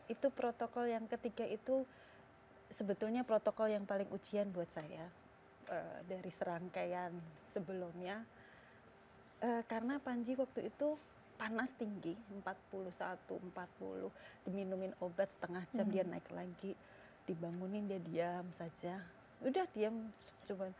itu protokol yang ketiga itu sebetulnya protokol yang paling ujian buat saya dari serangkaian sebelumnya karena panji waktu itu panas tinggi empat puluh satu empat puluh diminumin obat setengah jam dia naik lagi dibangunin dia diam saja udah diem cuma dibangunin gak mau sampai suster datang menepuk titiknya